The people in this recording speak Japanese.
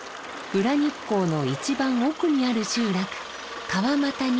裏日光の一番奥にある集落川俣に到着しました。